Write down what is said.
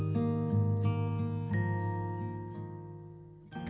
kisah berikut ini adalah tentang perjuangan hidup seorang penjual pusuk sate di magelang jawa tengah